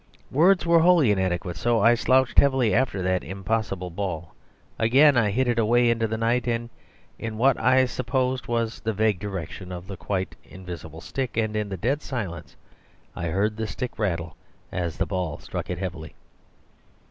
Words were wholly inadequate, so I slouched heavily after that impossible ball. Again I hit it away into the night, in what I supposed was the vague direction of the quite invisible stick. And in the dead silence I heard the stick rattle as the ball struck it heavily.